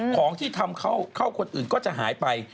ของที่ทำเข้าคนอื่นก็จะหายไป